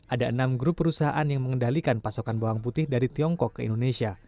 ada enam grup perusahaan yang mengendalikan pasokan bawang putih dari tiongkok ke indonesia